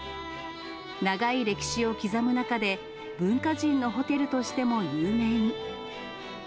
長い歴史を刻む中で、文化人のホテルとしても有名に。